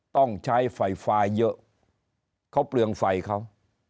ต้องใช้ไฟฟ้าเยอะเขาเปลืองไฟเขา